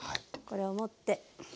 これを持って。